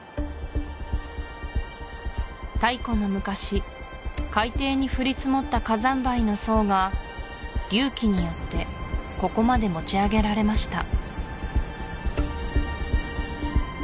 太古の昔海底に降り積もった火山灰の層が隆起によってここまで持ち上げられました